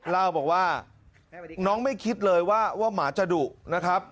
เล่าบอกว่าน้องไม่คิดเลยว่าหมาจะดุนะครับ